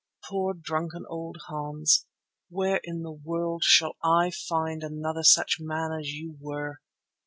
Poor drunken old Hans, where in the world shall I find such another man as you were?